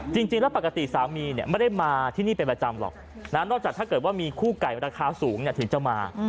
จริงแล้วปกติสามีไม่ได้มาที่นี่เป็นประจำหรอกนอกจากถ้าเกิดว่ามีคู่ไก่ราคาสูงถึงจะมา